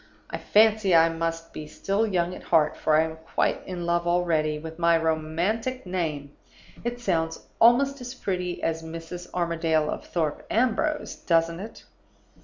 I fancy I must be still young at heart, for I am quite in love already with my romantic name; it sounds almost as pretty as Mrs. Armadale of Thorpe Ambrose, doesn't it?